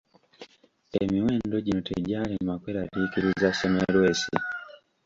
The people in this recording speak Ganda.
Emiwendo gino tegyalema kweraliikiriza Semmelwesi.